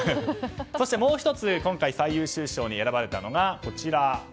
そして、もう１つ今回最優秀賞に選ばれたのが、こちら。